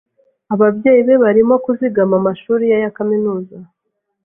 Ababyeyi be barimo kuzigama amashuri ye ya kaminuza.